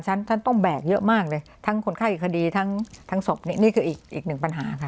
ฉันฉันต้องแบกเยอะมากเลยทั้งคนค่าอีกคดีทั้งทั้งศพนี่นี่คืออีกอีกหนึ่งปัญหาค่ะ